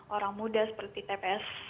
orang muda seperti tps